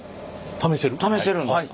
試せるんですか？